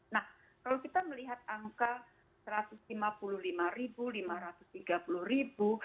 nah kalau kita melihat angka satu ratus lima puluh lima ribu lima ratus tiga puluh ribu